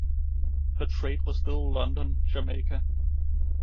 Her trade was still London–Jamaica.